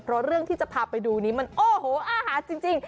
เพราะเรื่องที่จะพาไปดูนี้มันโอ้โหอาหารจริง